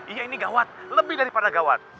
iya ini gawat lebih daripada gawat